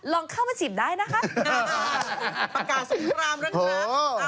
ประกาศสงครามแล้วครับ